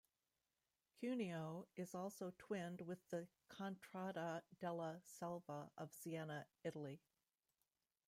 Cuneo is also twinned with the contrada della Selva of Siena, Italy.